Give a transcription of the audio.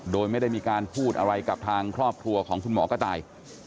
โดยไม่ได้มีการพูดอะไรกับทางครอบครัวของคุณหมอกระต่าย